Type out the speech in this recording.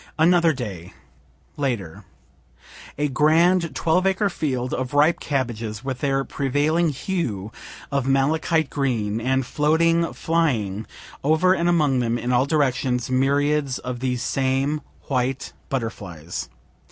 Another Day, later. A grand twelve acre field of ripe cabbages with their prevailing hue of malachite green, and floating flying over and among them in all directions myriads of these same white butterflies.